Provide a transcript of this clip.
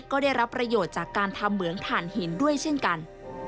ก็ได้รับประโยชน์จากการทำเหมืองถ่านหินด้วยเช่นกัน